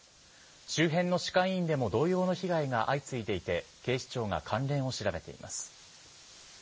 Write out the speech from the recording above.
周辺の歯科医院でも同様の被害が相次いでいて、警視庁が関連を調べています。